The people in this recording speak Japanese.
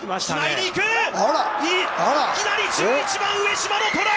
いきなり１１番、上嶋のトライ！